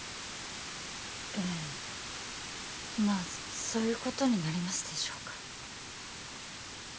ええまあそういうことになりますでしょうか？